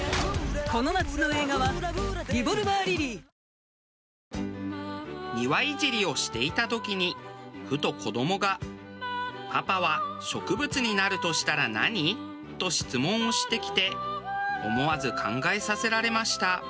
クラフトビール「スプリングバレー」庭いじりをしていた時にふと子どもが「パパは植物になるとしたら何？」と質問をしてきて思わず考えさせられました。